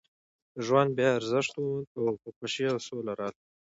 ژوند بیا ارزښت وموند او خوښۍ او سوله راغله